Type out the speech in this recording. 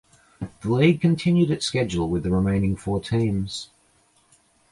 The league continued its schedule with the remaining four teams.